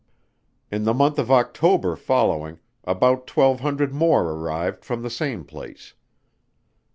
In the month of October following, about twelve hundred more arrived from the same place.